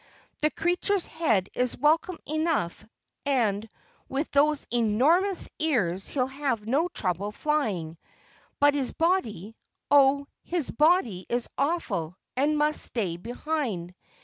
"The creature's head is welcome enough and with those enormous ears he'll have no trouble flying, but his body oh, his body is awful and must stay behind.